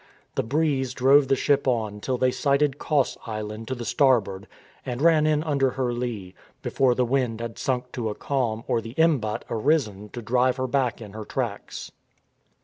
The breeze drove the ship on till they sighted Cos Island to the starboard and ran in under her lee, before the wind had sunk to a calm or the imbat arisen to drive her back in her tracks.